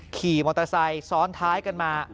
ขี่มอเตอร์ไซค์ซ้อนท้ายกันมา